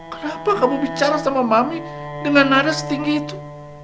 kenapa kamu bicara sama mami dengan nada setinggi itu